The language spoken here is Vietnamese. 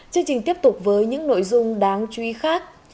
chương trình tiếp tục với những nội dung đáng chú ý khác